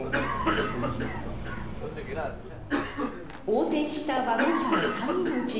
横転したワゴン車の３人のうち